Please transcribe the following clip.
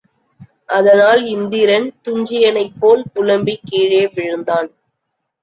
அதனால் இந்திரன் துஞ்சியனைப் போல் புலம்பிக் கீழே விழுந்தான்.